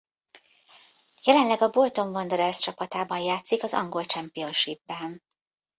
Jelenleg a Bolton Wanderers csapatában játszik az angol Championshipben.